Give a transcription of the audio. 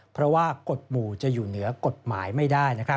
เพราะว่ากฎหมู่จะอยู่เหนือกฎหมายไม่ได้